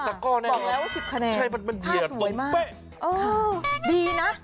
บอกแล้วว่า๑๐คะแนนภาดสวยมากใช่มันเหยียดตรงเป๊ะ